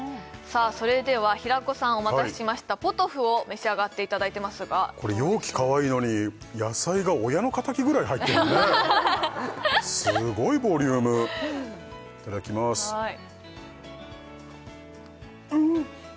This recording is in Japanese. それでは平子さんお待たせしましたポトフを召し上がっていただいてますがこれ容器かわいいのに野菜が親の敵ぐらい入ってるのねすごいボリュームいただきまーすうん！